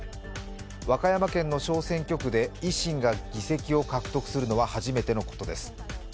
和歌山県の小選挙区で維新が議席を獲得するのは初めてのことです。